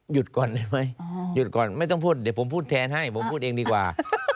ก่อนได้ไหมหยุดก่อนไม่ต้องพูดเดี๋ยวผมพูดแทนให้ผมพูดเองดีกว่า